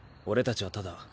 俺たちはただ。